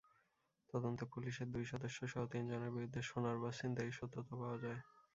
তদন্তে পুলিশের দুই সদস্যসহ তিনজনের বিরুদ্ধে সোনার বার ছিনতাইয়ের সত্যতা পাওয়া যায়।